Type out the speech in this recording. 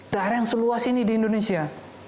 daerah yang seluas ini di indonesia